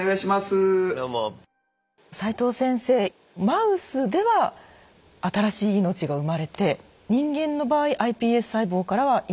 マウスでは新しい命が生まれて人間の場合ｉＰＳ細胞からは命は生まれていないという。